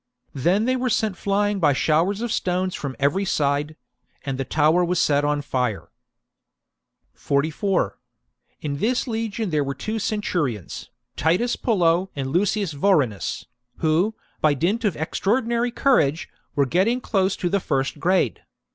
Then they were sent flying by showers of stones from every side ; and the tower was set on fire. The rivalry 44. In this Icgion thcrc were two centurions, of Pullo and . t^h it tt vorenus. Titus Pullo and Lucms Vorenus, who, by dmt of extraordinary courage, were getting close to the first grade.